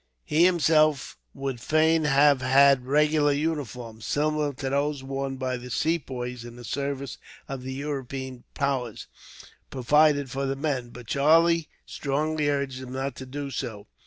He himself would fain have had regular uniforms, similar to those worn by the Sepoys in the service of the European powers, provided for the men; but Charlie strongly urged him not to do so.